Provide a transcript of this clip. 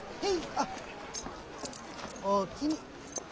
あっおおきに。